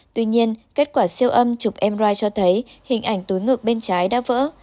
tuy nhiên kết quả siêu âm chụp mrigh cho thấy hình ảnh túi ngực bên trái đã vỡ